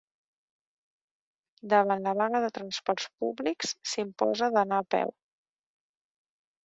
Davant la vaga de transports públics, s'imposa d'anar a peu.